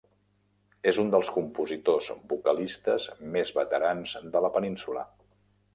És un dels compositors vocalistes més veterans de la península.